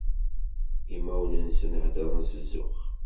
Imawen-nsen heddren s zzux.